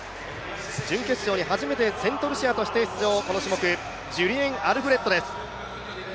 準決勝に始めてセントルシアとして出場、この種目、ジュリエン・アルフレッドです。